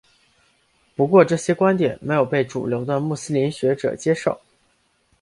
不过这些观点没有被主流的穆斯林学者接受。